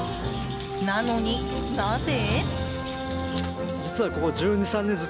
なのに、なぜ？